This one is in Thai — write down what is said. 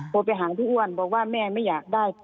โทรไปหาพี่อ้วนบอกว่าแม่ไม่อยากได้